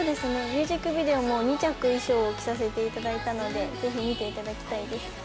ミュージックビデオも２着、衣装を着させていただいたのでぜひ見ていただきたいです。